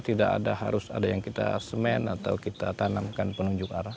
tidak ada harus ada yang kita semen atau kita tanamkan penunjuk arah